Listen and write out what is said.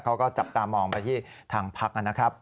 เขาก็จับตามองไปที่ทางพักนะครับ